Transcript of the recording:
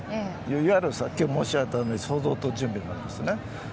いわゆる、さっき申し上げた想像と準備なんです。